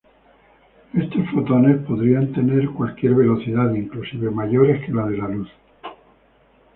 Estos fotones podrían tener cualquier velocidad, inclusive, mayores que la de la luz.